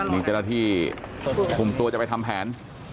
นี่เจ้าหน้าที่คุมตัวจะไปทำแผน